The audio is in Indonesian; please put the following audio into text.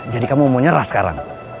jadi kamu mau nyerah sekarang